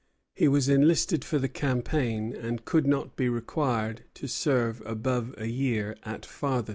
He was enlisted for the campaign, and could not be required to serve above a year at farthest.